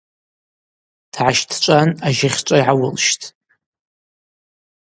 Дгӏащтӏчӏван ажьыхчӏва гӏауылщттӏ.